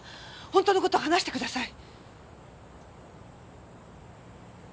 本当の事を話してください！